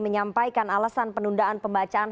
menyampaikan alasan penundaan pembacaan